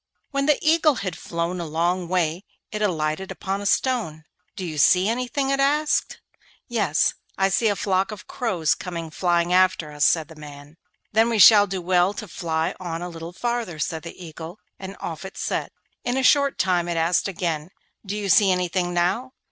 When the Eagle had flown a long way it alighted on a stone. 'Do you see anything?' it asked. 'Yes; I see a flock of crows coming flying after us,' said the man. 'Then we shall do well to fly on a little farther,' said the Eagle, and off it set. In a short time it asked again, 'Do you see anything now?